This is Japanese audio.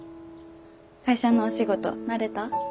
会社のお仕事慣れた？